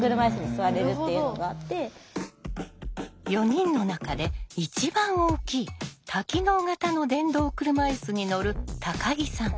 ４人の中で一番大きい多機能型の電動車いすに乗る木さん。